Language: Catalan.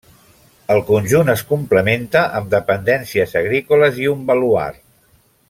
El conjunt es complementa amb dependències agrícoles i un baluard.